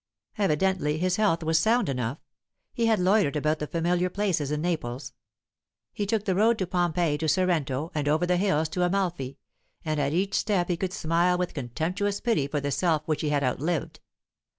Evidently, his health was sound enough. He had loitered about the familiar places in Naples; he took the road by Pompeii to Sorrento, and over the hills to Amalfi; and at each step he could smile with contemptuous pity for the self which he had outlived.